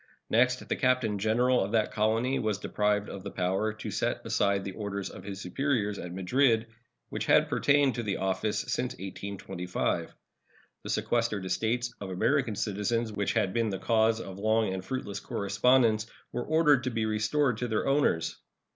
Next, the Captain General of that colony was deprived of the power to set aside the orders of his superiors at Madrid, which had pertained to the office since 1825. The sequestered estates of American citizens, which had been the cause of long and fruitless correspondence, were ordered to be restored to their owners.